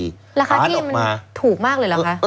ราคาที่ถูกมากเลยหรือคะ